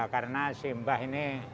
ya karena si mbah ini